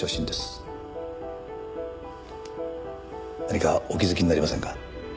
何かお気づきになりませんか？